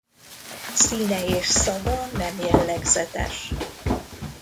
Színe és szaga nem jellegzetes.